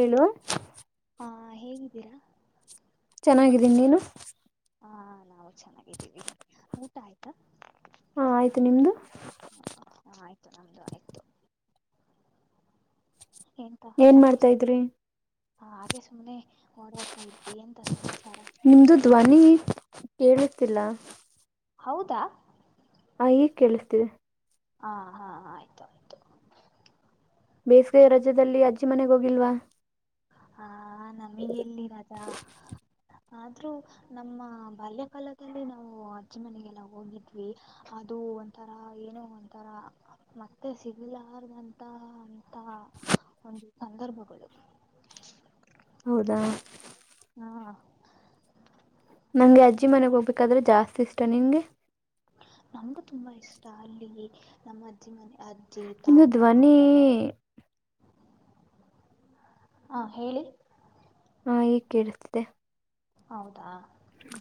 ಏಳು ಹಾ ಹೇಗಿದ್ದೀರಾ ಚೆನ್ನಾಗಿದ್ದೀನಿ ನೀನು ಹಾ ನಾವು ಚೆನ್ನಾಗಿದ್ದೀವಿ ಊಟ ಆಯ್ತಾ ಹಾ ಆಯ್ತು ನಿಮ್ದು ಆಯ್ತು ನಮ್ದು ಆಯ್ತು ಎಂತ ಏನ್ ಮಾಡ್ತಾ ಸಮಾಚಾರ ಇದ್ರಿ ಹಾಗೆ ಸುಮ್ಮನೆ ಓಡಾಡ್ತಾ ಇದ್ವಿ ಎಂತ ಸಮಾಚಾರ ಕತಿಿಲ್ಲ ಹೌದಾ ಹ ಈಗ್ ಕೇಳಿಸ್ತೀಿದೆ ಹಾ ಹಾ ಆಯ್ತು ಆಯ್ತು ಬೇಸಗೆೈಯ ರಜದಲ್ಲಿ ಅಜ್ಜಿ ಮನೆಗ ಹೋಗಿಲ್ವಾ ಹಾ ನಮಗೆ ಎಲ್ಲಿ ರಜಾ ಆದ್ರೂ ನಮ್ಮ ಬಾಲ್ಯಕಾಲದಲ್ಲಿ ನಾವು ಅಜ್ಜಿ ಮನೆಗೆಲ್ಲ ಹೋಗಿದ್ವಿ ಅದು ಒಂಥರ ಏನೋ ಒಂಥರ ಮತ್ತೆ ಸಿಗಲಾರ್ದಂತ ಅಂತ ಒಂದು ಸಂದರ್ಭಗಳು ಹೌದಾ ಹ ನಂಗೆ ಅಜ್ಜಿ ಮನೆಗೆ ಹೋಗ್ಬೇಕಾದ್ರೆ ಜಾಸ್ತಿ ಇಷ್ಟ ನಿಂಗೆ ನಮಗು ತುಂಬಾ ಇಷ್ಟ ಅಲ್ಲಿ ನಮ್ಮ ಅಜ್ಜಿ ಮನೆ ಅಜ್ಜಿ ಚೀತಾ ನಿಮ್ದು ತ ಧ್ವನಿ ಹ ಹೇಳಿ ನಾೇ ಕೇಳತತೆೆ ಹೌದಾ ಹ್ಮ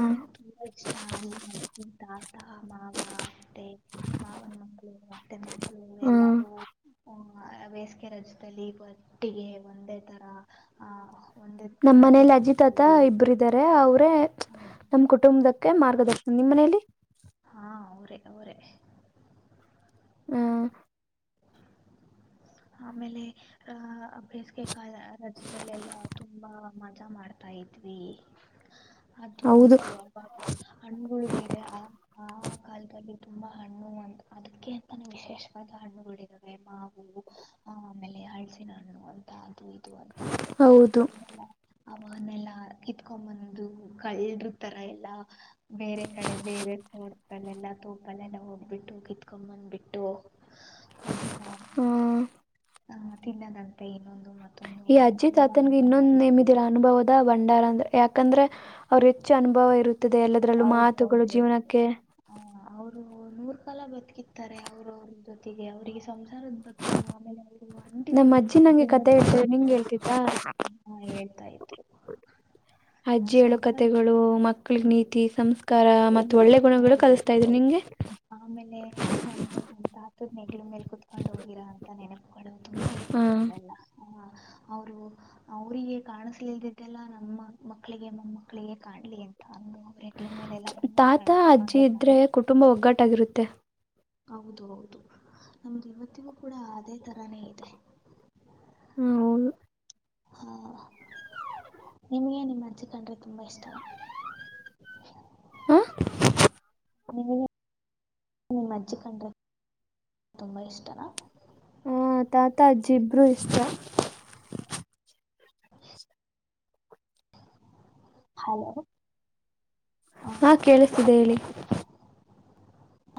ನನಗೂ ತುಂಬಾ ಇಷ್ಟ ಅಲ್ಲಿ ಅಲ್ಲಿ ತಾತ ಮಾವ ಅತ್ತೆ ಮಾವನ ಮಕ್ಕಳು ಮತ್ತೆ ಮಕ್ಕಳು ಹ್ಮ್ ಎಲ್ಲಾರೂ ಬೇಸಿಗೆ ರಜದಲ್ಲಿ ಒಟ್ಟಿಗೆ ಒಂದೇ ತರ ಆಹ ನಮ್ಮ್ ಮನೇಲಿ ಅಜಿತ್ ತ್ತ ಇಬ್ಬರುಿದ್ದಾರೆ ಹೌದು ನಮ್ಮ ಕುಟುಂಬಕ್ಕೆ ಮಾರ್ಗದರ್ಶನ ನಿಮ್ಮ ಮನೆಯಲ್ಲಿ ಹಾ ಅವರೇ ಅವರೇ ಹ ಆಮೇಲೆ ಆ ಬೇಸಗೆ ಕ ರಾಜ್ಯದಲ್ಲೆಲ್ಲಾ ತುಂಬಾ ಮಜಾ ಮಾಡ್ತಾ ಇದ್ವಿ ಅದು ಹೌದು ಇು ಅವಾಗ ಹಣ್ಗಳು ಬೇರೆ ಆ ಕಾಲದಲ್ಲಿ ತುಂಬಾ ಹಣ್ಣು ಅಂತ ಅದಕ್ಕೆ ಅಂತಾನ ವಿಶೇಷವಾದ ಹಣ್ಣುಗಳಿದಾವೆ ಮಾವು ಹ ಆಮೇಲೆ ಅಳ್ಸಿನ ಹಣ್ಣು ಅಂತ ಅದು ಅಂತ ಅಂದು ಹೌದು ಅವನ್ನೆಲ್ಲಾ ಕಿತ್ಕೊಂಡ್ ಬಂದು ಕಳ್ಳರು ತರ ಎಲ್ಲಾ ಬೇರೆ ಕಡೆ ಬೇರೆ ತೋಟಲೆೆಲ್ಲ ತೋಪಲೆೆಲ್ಲ ಹೋಗ್ಬಿಟ್ಟು ಕಿತ್ಕೊಂಬಂದ್ ಬಿಟ್ಟು ಅದೆಲ್ಲ ಹ್ಮ ಹ ತಿನ್ನದಂತೆ ಇನ್ನೊಂದು ಮತ್ತ ಈ ಅಜ್ಜಿತ್ ಆತನ್ಗೆ ಇನ್ನೊಂದ್ ನಿಮ್ಮದಿರ ಅನುಭವದ ಭಂಡಾರ ಅಂದ್ರ ಯಾಕ ಯಾಕಂದ್ರೆ ಅವ್ರ ಹೆಚ್ಚು ಅನುಭವ ಇರುತ್ತೆ ಎಲ್ಲದರಲ್ಲೂ ಹೌದು ಮಾತುಗಳು ಜೀವನಕ್ಕೆ ನೂರ್ ಕಾಲ ಬದುಕಿತಾರೆ ಅವರು ಅವ್ರ ಜೊತೆಗೆ ಅವ್ರರಿಗೆ ಸಂಸಾರದ ಬಗ್ಗೆನು ಆಮೇಲೆ ಅವ ನಮ್ಮ್ ಅಜ್ಜಿ ನಂಗೆ ಕತೆೆ ಹೇಳ್ತ ನಿಂಗಗೆ ಹೇಳ್ತತ್ತ ಬಗ್ಗೆ ಹೇಳ್ತಾ ಇದ್ರು ಆ ಅಜ್ಜಿ ಹೇಳೋ ಸಂಸಾರ ಕತೆೆಗಳು ಮ ಳ ನೀತಿ ಸಂಸ್ಕಾರ ಮತ್ತು ಒಳ್ಳೆ ಗುಣಗಳು ಹೌದು ಕಲಿಸ್ತಾ ಇದ್ರು ಹೌದು ನಿಂಗೆ ತ್ ಮೇಲೆ ಕುತ್ಕೊಂಡ್ ಹೋಗಿರಾ ಅಂತ ನೆನಪುಗಳು ತುಂಬಾ ಹಾ ಇದಾವೆ ಅವೆಲ್ಲ ಹ ಅವರು ಅವ್ರಿಗೆ ಕಾಣಸ್ಲಲ್ದಿದ್ದಲ್ಲ ನಮ್ಮ ಮಕ್ಕಳಿಗೆ ಮಮ್ಮಕ್ಳಿಗೆ ಕಾಣ್ಲಿ ಅಂತ ಅಂದು ಅವ್ರ ಹೆಗ್ಲ ಮೇಲೆಲ್ಲ ತಾತ ಕುಂದ್ರಿಸ್ಕೊಂಡು ಕರ್ಕೊಂಡು ಅಜ್ಜಿ ಇದ್ರೆ ಹೋಗ್ತಾರೆ ಕುಟುಂಬ ಒಗ್ಗಟ್ಟಾಗಿರುತ್ತೆ ಹೌದು ಹೌದು ನಮ್ದ ಇವತ್ತಿಗೂ ಕೂಡ ಅದೇ ತರಾನೇ ಇದೆ ಹ್ಮ ಹೌದು ಹಾ ನಿಮ್ಗೆ ನಿಮ್ಮ ಅಜ್ಜಿ ಕಂಡ್ರೆ ತುಂಬಾ ಇಷ್ಟನಾ ಹೌದು ನೀ ನಿಮಜ್ಜೆ ಕಂಡ್ರೆ ತುಂಬಾ ಇಷ್ಟನಾ ಹಾ ತಾತ ಅಜ್ಜಿ ಇಬ್ರು ಇಷ್ಟ [unintelligible] ಹಲೋ ಹಾ ಕೇಳಿಸ್ತಿದೆ ಹೇಳಿ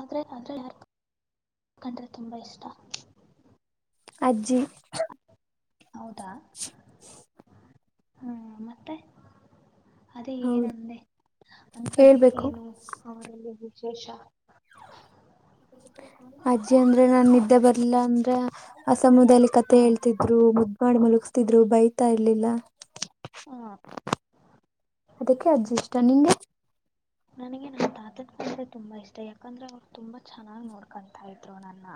ಆದ್ರೆ ಅದ್ರಲ್ಲಿ ಯಾರ ಕಂಡ್ರೆ ತುಂಬಾ ಇಷ್ಟ ಅಜ್ಜಿ ಹೌದಾ ಹ್ಮ್ ಮತ್ತೆ ಅದೇ ಹೌದು ಏನಂದೆ ಅಂತದೆೇ ಹೇಳ್ಬೇಕು ಏನು ಅವರಲ್ಲಿ ಶೇಷ ಅಜ್ಜಿ ಅಂದ್ರೆ ನಾ ನಿದ್ದೆ ಬರ್ಲಿಲ್ಲ ಅಂದ್ರೆ ಸಮುದಾಯದಲ್ಲಿ ಕತೆ ಹಾ ಹೇಳ್ತಿದ್ರು ಮಾಡಿ ಮಲಗ್ಸತಿದ್ರು ಬೈತಾ ಇರ್ಲಿಲ್ಲ ಹ್ಮ ಅದಕ್ಕೆ ಅಜ್ಜಿ ಇಷ್ಟ ನಿಂಗೆ ನನಗೆ ನನ್ನ ತಾತದ ಕಂಡ್ರೆ ತುಂಬಾ ಇಷ್ಟ ಯಾಕಂದ್ರೆ ಅವ್ರು ತುಂಬಾ ಚೆನ್ನಾಗ್ ನೋಡ್ಕೊತಾ ಇದ್ರು ನನ್ನು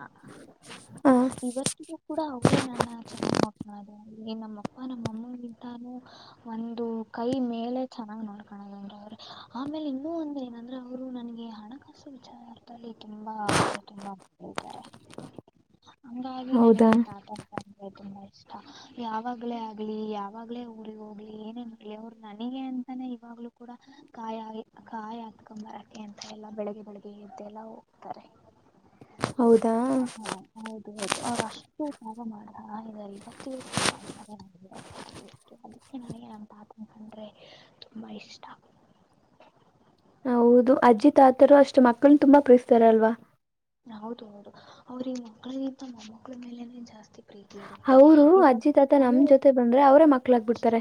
ಹ ಇವತ್ತಿಗೂ ಕೂಡ ಅವ್ರೇ ನನ್ನ ಚೆನ್ನಾಗ್ ಮಾತ ನಮ್ಮ ಅಪ್ಪ ನಮ್ಮಮ್ಮಿಗಿಂತಾನೂ ಒಂದು ಕೈ ಮೇಲೆ ಚೆನ್ನಾಗ್ ನೋಡ್ಕಾಣದಂದ್ರ ಅವ್ರೆ ಆಮೇಲೆ ಇ ಇ ಒಂದ ಏನಂದ್ರೆ ಅವರು ನನ್ಗೆ ಹಣಕಾಸು ವಿಚಾರದಲ್ಲಿ ತುಂಬಾ ಅಂದ್ರೆ [unintelligible] ಹಂಗಾಗಿ ಹೌದಾ ನನಗೆ ತಾತನ್ನ ಕಂಡ್ರೆ ತುಂಬ ಇಷ್ಟ ಯಾವಾಗ್ಲೇ ಆಗ್ಲಿ ಯಾವಾಗ್ಲೇ ಊ್ರಗ್ ಹೋಗ್ಲಿ ಏನೇನ್ ಮಾಡ್ಲಿ ಅವರು ನನಗೆ ಅಂತಾನೇ ಇವಾಗ್ಲೂ ಕೂಡ ಕಾಯ ಕಾಯಿ ಹತ್ಕೊಂಬರಕ್ಕಿ ಅಂತ ಎಲ್ಲಾ ಬೆಳಿಗ್ ಬೆಳಿಗ್ಗೆ ಎದ್ದೆಲ್ಲ ಹೋಗ್ತಾರೆ ಹೌದಾ ಹಾ ಹೌದು ಹೌದು ಅವ್ರ ಅಷ್ಟು ಯ ಮಾಡ ಇವತ್ತಿಗೂ ಕೂಡ ಮಾಡ್ತಾರೆ ಅದಕ್ಕೆ ನನಗೆ ನಮ್ಮ ತಾತ ಅ ಕಂಡ್ರೆ ತುಂಬ ಇಷ್ಟ ಹೌದು ಅಜ್ಜಿ ತಾತರು ಅಷ್ಟು ಮಕ್ಳ ತುಂಬಾ ಪ್ರೀಸ್ತಾರಲ್ವಾ ಹೌದು ಹೌದು ಅವ್ರಿಗೆ ಮಕ್ಕಳಗಿಂತ ಮೊಮ್ಮಕ್ಳ ಮೇಲೆನೆ ಜಾಸ್ತಿ ಪ್ರೀತಿ ಇರುತ್ತೆ ಅವರು ಅಜ್ಜಿ ತಾತ ನಮ್ ಇವಾಗ ಜೊತೆ ಬಂದ್ರೆ ಅವರೇ ಮಕ್ಳಾಗ್ಬಿಡ್ತಾರೆ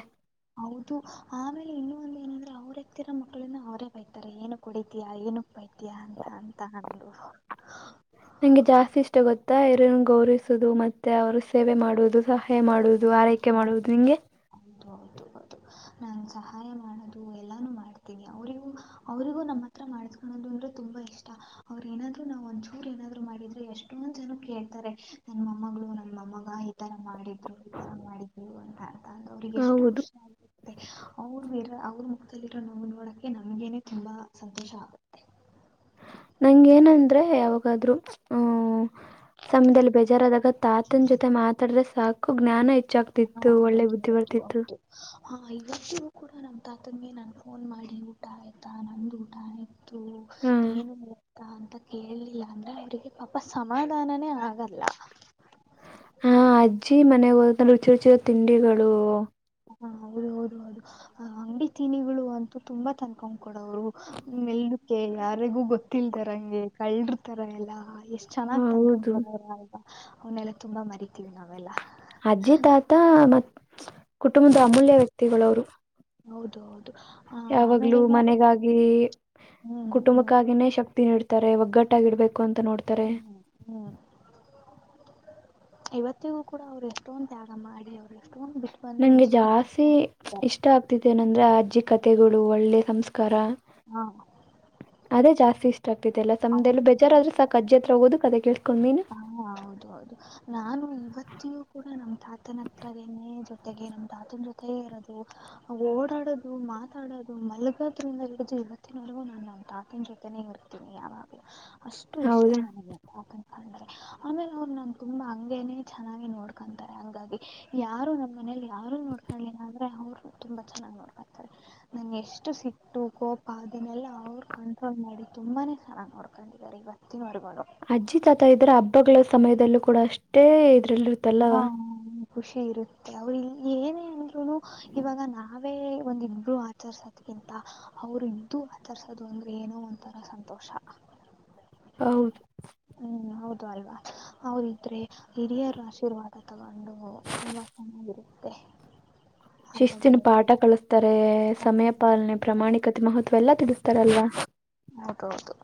ಹೌದು ಆಮೇಲೆ ಇನ್ನು ಒಂದ ಏನಂದ್ರೆ ಅವ್ರತ್ತಿರೋ ಮಕ್ಕಳಿಂದ ಅವರೇ ಬೈತಾರೆ ಏ ಕುಡಿತಿಯಾ ಏನಕ್ ಬೈತಿಯ ಅಂತ ಅಂತ ಅಂದು ನಂಗೆ ಜಾಸ್ತಿ ಇಷ್ಟ ಗೊತ್ತಾ ಇರನ್ನು ಗೌರವಿಸುದು ಮತ್ತೆ ಅವರು ಸೇವೆ ಮಾಡುವುದು ಸಹಾಯ ಮಾಡುವುದು ಆರೈಕೆ ಮಾಡುವುದು ನಿಂಗೆ ಹೌದು ಹೌದು ನಾನು ಸಹಾಯ ಮಾಡೋದು ಎಲ್ಲಾನು ಮಾಡ್ತೀನಿ ಅವರಿಗೂ ಅವರಿಗೂ ನಮ್ಮ ಹತ್ರ ಮಾಡಿಸಿಕೊಳೋದು ಅಂದ್ರೆ ತುಂಬಾ ಇಷ್ಟ ಅವ್ರು ಏನಾದ್ರು ನಾವು ಒಂದಚೂರು ಏನಾದ್ರು ಮಾಡಿದ್ರೆ ಎಷ್ಟೊಂದು ಜನ ಕೇಳ್ತಾರೆ ನಮ್ಮ ಮಮ್ಮಗಳು ನಮ್ಮ ಮಮ್ಮಗ ಈತರ ಮಾಡಿದ್ರು ಈತರ ಮಾಡಿದ್ರು ಅಂತ ಅರ್ಥ ಅ ಅವ್ರಿಗೆ ಎಷ್ಟು ಹೌದು ಖುಷಿ ಆ ಅವರು ಇರೋ ಅವ್ರ ಮುಖದಲ್ಲಿರೋ ನೋವು ನೋಡಕ್ಕೆ ನಮಗೇನೆ ತುಂಬಾ ಸಂತೋಷ ಆಗುತ್ತೆ ಹಿಂಗ ಏನಂದ್ರೆ ಯಾವಾಗಾದ್ರೂ ಆ ಸಮಯದಲ್ಲಿ ಬೇಜಾರ ಆದಾಗ ತಾತನ್ ಜೊತೆ ಮಾತಾಡ್ರೆ ಸಾಕು ಜ್ಞಾನ ಇ ಹಾ ಹೌದು ಹೌದು ಹೌದು ಹಾ ಇವತ್ತಿೂ ಕೂಡ ನಮ ತಾತಂದಿ ನಾನು ಫೋನ್ ಮಾಡಿ ಊಟ ಆಯ್ತಾ ನನ್ನಂದು ಊಟ ಆಯತು ಹಾ ಏನು ಅಂತ ಕೇಳಲಿಲ್ಲ ಅಂದ್ರೆ ಅವವ್ರಿಗೆ ಪಾಪ ಸಮಾಧಾನನೇ ಆಗಲ್ಲ. ಹಾ ಅಜ್ಜಿ ಮನೆಗ್ ಹೋದ್ರು ರುಚಿ ರುಚಿ ತಿಂಡಿಗಳು. ಹಾ ಹೌದು ಹೌದು ಹೌದು ಅಂಗ್ಡಿ ತಿನಿಗಳು ಅಂತೂ ತುಂಬಾ ತನ್ಕೊಂಡ್ ಕೊಡವ್ರು ಮೇಲ್ಲು ಕೆ ಯಾರಿಗೂ ಗೊತ್ತಿಲ್ದೇರಂಗೆ ಕಳ್ಳರ್ತರ ಎಲ್ಲಾ. ಎಷ್ಟ್ ಹ ಚೆನ್ನಾಗ್ ಹೌದು ತನ್ಕೊತದ್ರ ಅಲ್ವಾ. ಅವನ್ನೆಲ್ಲಾ ತುಂಬಾ ಮರಿ ಅಜ್ಜಿ ತಾತ ಮತ್ ಕುಟುಂಬ್ದ ಅಮೂಲ್ಯ ವ್ಯಕ್ತಿಗ್ಳವ್ರು. ಹೌದು. ಆ ಯಾವಾಗ್ಲೂ ಆಮೇಲೆ ನಾವು ಮನೆಗಾಗಿ ಹ್ಮ್ ಹ್ಮ್ ಕುಟುಂಬಕ್ಕಾಗಿನೇ ಶಕ್ತಿ ನೀಡ್ತ ತರೆ ಒಗ್ಗಟ್ಟಾಗಿಡ್ಬೇಕ್ ಹ್ಮ್ ಹ್ಮ್ ಇವತ್ತಿಗೂ ಕೂಡ ಅವ್ರು ಎಷ್ಟೊಂದು ತ್ಯಾಗ ಮಾಡಿ ಅವ್ರೆ. ನಂಗೆ ಜಾಸ್ತಿ ಇಷ್ಟ ಆಗ್ತಿದೆನ್ ಅಂ ಅಂದ್ರೆ ಅಜ್ಜಿ ಕತೆಗಳು ಒಳ್ಳೆ ಸಂಸ್ ಕಾರ ಹಾ ಅದೇ ಜಾಸ್ತಿ ಇಷ್ ಹೌದು ಹ ಹತ್ರ ಹೋಗೋದು ಕತೆ ಕೇಳಿಸ್ಕೊಂಡ್ ನೀನು ಹಾ ಹೌದು ಹೌದು ನಾನು ಇವತ್ತಿಯೂ ಕೂಡ ನಮ್ ತಾತನ ಹತ್ರನೆನೇ ಜೊತ್ ತೆಗೆ ನಮ್ ತಾತನ್ ಜೊತೇ ಇರೋದು ಓಡಾಡೋದು ಮಾತಾಡೋದು ಮಲಗೋದ್ರಿಂದ ಹಿಡ್ದು ಇವತ್ತಿನವಲ್ಗೂ ನಾ ನಮ್ ತಾತನ್ ಜೊತೆನೇ ಇರೋದು. ಏ ಅವಾಗೆ ಅಷ್ಟು ಇಷ್ಟ ಹೌದಾ ನನ್ಗೆ ಆಕ್ ಅ ಆಮೇಲ್ ಅವ್ರ್ ನನ್ಗ್ ತುಂಬಾ ಹಂಗೇನೇ ಚೆನ್ನಾಗಿ ನೋಡ್ಕೊಂತಾರೆ ಹಂಗಾಗಿ ಯಾರು ನಮ್ಮ್ ಮನೇಲಿ ಯಾರು ನೋಡ್ಕೊಂಡಲಿಲ್ಲ ಆದ್ರೆ ಅವ್ರು ತುಂಬಾ ಚೆನ್ನಾಗ್ ನೋಡ್ಕೊತಾರೆ ನಂಗೆ ಎಷ್ಟು ಸಿಟ್ಟು ಕೋಪ ಅದನ್ನೆಲ್ಲ ಅವ್ರ್ ಕಂಟ್ರೋಲ್ ಮಾಡಿ ತುಂಬಾನೇ. ಹ ನೋಡ್ಕೊಂಡಿದರೆ ಇವತ್ತಿನ್ ವರ್ಗು. ಅಜ್ಜಿ ತಾತ ಇದ್ರೆ ಹಬ್ಬಗಳೇ ಸ್ ಸಮಯದಲ್ಲೂ ಕೂಡ ಅಷ್ಟೇ ಇದ್ ಹಾ ಡೆಲ್ಲುತಲ್ಲವಾ. ಖುಷಿ ಇರುತ್ತೆ ಅವ್ರ್ ಇಲ್ಲಿ ಏನೇ ಅಂದ್ರು ಇವಾಗ ನಾವೇ ಒಂದ ಇಬ್ರುೂ ಆಚರ್ಸೋದ್ಕ್ಕಿಂತ ಅವ್ರ್ ಇದ್ದು ಆಚರ್ಸೋದು ಅಂದ್ರೆ ಏನೋ ಒಂಥರ ಸಂತೋಷ. ಹೌದ್. ಹ್ಮ್ ಹೌದು ಅಲ್ವಾ ಅವ್ರ್ ಇದ್ರೆ. ಹಿರಿಯರ್ ಆಶೀರ್ವಾದ ತಗೊಂಡು ತುಂಬಾ ಚೆನ್ನಾಗಿರುತ್ ತ್ತೆ. ಶಿಸ್ತಿನ್ ಪಾಠ ಕಳಸ್ತಾರೆ ಸಮಯ ಪಾಲನೆ ಪ್ರಾಮಾಣಿಕತೆ ಮಹತ್ವ ಎಲ್ಲ ತಿಳ್ಸ ತರಲ್ವಾ. ಹೌದೌದು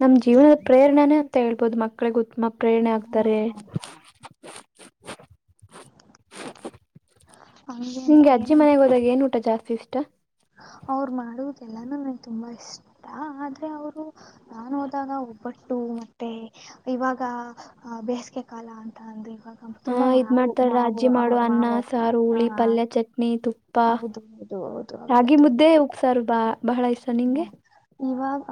ನಮ್ ಜೀವ್ನದ್ ಪ್ರೇರಣ್ನೇ ಮತ್ತೆ ಹೇಳ್ಬೊದು ಮಕ್ಳೆ ಉತ್ ಪ್ರೇರಣೆ ಹಾ ಆಗ್ತಾರೆ ಹಾ ಹಾ ಹಂಗೇನೆ ನಿಂಗ್ ಅಜ್ಜಿ ಏನೇ ಮನೆಗೆ ಹೋದಾಗ ಏನ್ ಊಟ ಟ ಜಾಸ್ತಿ ಇಷ್ಟ. ಅವ್ರು ಮಾಡುವುದೆಲ್ಲಾನೂ ನಂಗ್ ತುಂಬಾ ಇಷ್ಟ ಆದ್ರೆ ಅವ್ರು ನಾನ್ ಹೋದಾಗ ಒಬ್ಬಟ್ಟು ಮತ್ತೆ ಇವಾಗ ಬೇಸ್ಗೆ ಕಾಲ ಅಂತ ಅಂದ್ರೆ. ಹ ಇದ್ ಮಾಡ್ತಾರಲ್ಲ ಅಜ್ಜಿ ಮಾಡೊ ಅನ್ನ ಮಾವು ಸಾರು ಹುಳಿ ಪಲ್ಯ ಚಟ್ನಿ ತುಪ್ ಪ್ಪಾ ಹೌದು ಹೌದು ಹೌದು ಅವೆಲ್ಲ ರಾಗಿ ತುಂಬ ಮುದ್ದೆ ಉಪ್ಸಾರು ಬಾ. ಬಹಳ ಇಷ್ಟ ನಿಂಗೆ.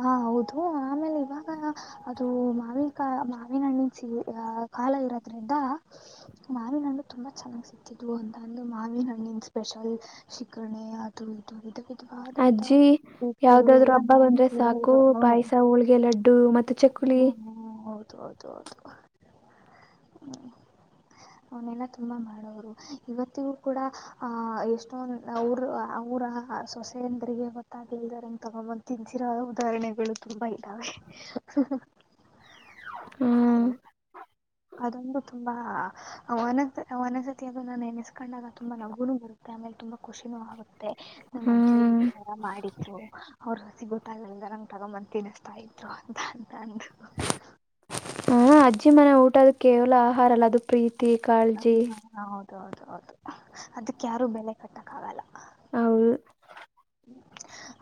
ಹಾ ಹೌದು. ಆಮೇಲ್ ಇವಾಗನ. ಅದು ಮಾವಿನ ಕಾಯ್ ಮಾವಿನ್ ಹಣ್ಣಿನ ಸಿ ಕಾಲ ಇರೋದ್ರಿಂದ ಮಾವಿನ್ ಹಣ್ಣು ತುಂಬಾ ಚೆನ್ನಾಗ್ ಸಿಕ್ಕತಿತು ಅಂತಂದು ಮಾವಿನ ಹಣ್ಣಿನ್ ಸ್ಪೆಷಲ್ ಶಿಕರ್ಣಿ ಅದು ಇದು. ಅದಂತ ಅಜ್ಜಿ ಯಾವ್ದಾದ್ರು ಹಬ್ಬ ಬಂದ್ರೆ ಸಾಕು ಪಾಯ್ಸ ಹ್ಮ ಹೊಳ್ಗೆ ಲಡ್ಡು ಮತ್ತೆ ಚಕ್ಕುಲಿ. ಹೌದು ಹೌದು ಹೌದು ಅವ್ನೆಲ್ಲ ತುಂಬಾ ಮಾಡೋರು ಇವತ್ತಿಗೂ ಕೂಡ ಅಹ ಎಷ್ಟೊಂದ್ ಅವ್ರು ಅವ್ರ ಸೊಸೆ ಅಂದ್ರಿಗೆ ಮತ್ ಗೊತ್ತಾಗಿಲ್ದೇರಂಗ್ ತಗೊಂಬ್ ತಿನ್ಸಿರೋ ಉದಾಹರಣೆಗಳು ತುಂಬಾ ಇದ್ದಾವೆ ಹಃ ಹ ತಾತ್ ಹ್ಮ ಅದೊಂದು ತುಂಬಾ ವನಸ ವನಸತಿ ಅದನ್ನ ನೆನೆಸ್ಕೊಂಡಾಗ ತುಂಬಾ ನಗುನು ಬರುತ್ತೆ ಆಮೇಲೆ ತುಂಬಾ ಖುಷಿನೂ ಆಗುತ್ತೆ ನಮ್ಮ ಅಜ್ಜಿ ಹ್ಮ್ ಇತರ ಎಲ್ಲ ಮಾಡಿದ್ರು ಅವರು ಹಸಿವ ಗೊತ್ತಾಂಗಗಿಲ್ಲ ನಂಗ ತಗೊಂಬ ತಿನಿಸ್ತಾ ಇದ್ರು ಅಂತ ಅಂತ ಅಂದು. ಹ ಅಜ್ಜಿ ಮನೆ ಊಟ ಅದು ಕೇವ್ಲ ಆಹಾರ ಅಲ್ಲ ಅದು ಪ್ರೀತ್ ತಿ ಕಾಳ್ಜಿ. ಹ್ಮ್ ಹೌದು ಹೌದು ಹೌದು ಅದಕ್ ಯಾರು ಬೆಲೆ ಕಟ್ಟಕ್ಕ ಆಗಲ್ಲ. ಹೌದ್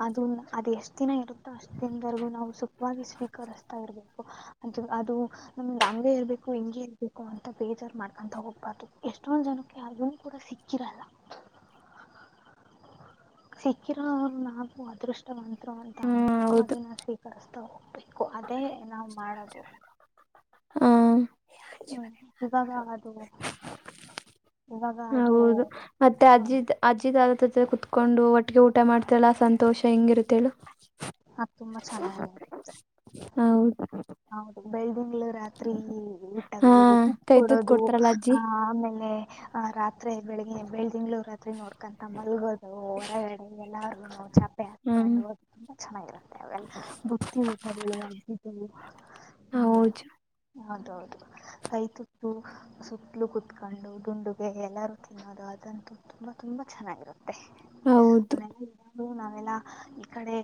ಅದು ಅದೆಷ್ಟ್ ದಿನ ಇರುತ್ತೋ ಅಷ್ಟ್ ದಿನದವರ್ಗು ನಾವು ಸುಖವಾಗಿ ಸ್ವೀಕರಿಸ್ತಾ ಇರ್ಬೇಕು ಅದು ಅದು ನಮ್ದ ಹಂಗೆ ಇರ್ಬೇಕು ಹಿಂಗೆ ಇರ್ಬೇಕು ಅಂತ ಬೇಜಾರ್ ಮಾಡ್ಕೊಂತ ಹೋಗ್ಬಾರ್ದು ಎಷ್ಟೊಂದ್ ಜನುಕ್ಕೆ ಅದುನು ಕೂಡ ಸಿಕ್ಕಿರಲ್ಲ. ಸಿಕ್ಕಿರೊರ್ ನಾವು ಅದೃಷ್ಟವಂ ದ್ರು ಹ್ಮ್ ಅನ್ಕೊಂಡು ಹೌದು ಅದನ್ನ ಸ್ವೀಕರಿಸ್ ತೊ ಹೋಗ್ಬೇಕು ಅದ್ ಅದೇ ನಾವ್ ಮಾಡದು. ಹಾ ಹ್ಮ್ ಇವಾಗ ಅದು. ಇವಾಗ ಅದು ಹೌದು ಮತ್ತೆ ಹ್ಮ್ ಅಜ್ಜಿದ್ ಅಜ್ಜಿ ಆದದ್. ದು ಕುತ್ಕೊಂಡು ಒಟ್ಟಗೆ ಊಟ ಮಾಡ್ತಿವಲ್ಲಾ ಆ ಸಂತೋಷ ಹೆಂಗಿರುತ್ತೇಳು. ಅದ್ ತುಂಬಾ ಚೆನ್ನಾಗಿರುತ್ತೆ. ಹೌದು ಹೌದು ಬೆಳ್ದಿಂಗ್ಳು ರಾತ್ರಿ ಹಾ ಊಟಗಳು ತುತ್ ಕೈ ಕೊಡೋದು ಕೊಡ್ತಾರಲ್ಲ ಅಜ್ಜಿ ಆ ಆಮೇಲೆ ಆ ರಾತ್ರೆ ಬೆಳಗ್ಗೆ ಬೆಳ್ ಳ್ದಿಂಗ್ಲು ರಾತ್ರಿ ನೋಡ್ಕೊಂತ ಮಲ್ಗೋದು ಹೊರಡೆ ಎಲ್ಲಾರು. ರುನೋ ಚಾಪ್ ಪ್ಪೆ ಹ್ಮ್ ಹಾಕೊಂಡು ಹ ತುಂಬಾ ಚೆನ್ನಾಗಿರುತ್ತೆ ಅವೆಲ್ಲ ಬುತ್ತಿ ಊಟಗುಳು. [unintelligible] ಹೌದು ಹೌದ ಹೌದು ಕೈ ತುತ್ತೂ ಸುತ್ತಲು ಕುೂತ್ಕೊಂಡು ದುಂಡುಗೆ ಎಲ್ಲಾರೂ ತಿನ್ನೋದು ಅದಂತೂ ತುಂಬಾ ತುಂಬಾ ಚೆನ್ನಾಗಿರುತ್ತೆ. ಹೌದು ಹನ [unintelligible] [inaudible] ಇಂದು ನಾವೆಲ್ಲಾ ಈ ಕಡೆ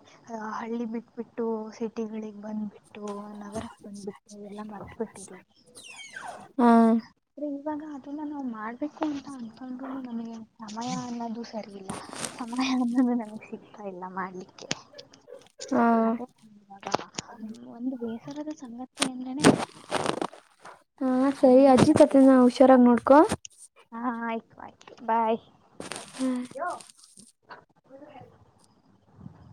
ಹಳ್ಳಿ ಬಿಟ್ಬಿಟ್ಟು ಸಿಟಿಗಳಿಗೆ ಬಂದ್ಬಿಟ್ಟ ಬಿಟ್ಟು [unintelligible] ನಗರಕ್ಕೆ ಬಂದ್ಬಿಟ್ಟು ಎಲ್ಲ ಮರ್ತ ಬಿಟ್ಟಿದಿವಿ [inaudible] ಹಾ ಇವಾಗ ಅದನ್ನ ನಾವು ಮಾಡ್ಬೇಕು ಅಂತ ಅನ್ಕೊಂಡ್ರುನು ನನಗೆ ಸಮಯ ಅನ್ನೋದು ಸರಿ ಇಲ್ಲ ಸಮಯ ಅನ್ನೋದು ನನಗ್ ಸಿಗ್ತಾ ಇಲ್ಲಾ ಮಾಡಲಿ ಹಾ ಅದೇ [unintelligible] ಒಂದು ಬೇಸರದ ಸಂಗತಿ ಅಂದ್ರನೇ ಅದು ಹಾ [inaudible] ಸರಿ ಸಮಯ ಅಜ್ಜಿ ಅನ್ತಿ ತಾತನ ಹುಷಾರಾಗಿ ನೋಡ್ಕೊ [unintelligible] ಒಕ [inaudible] [unintelligible] ಬಾಯ ಹ್ಮ್ ಹ [unintelligible]